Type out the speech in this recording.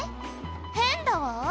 変だわ」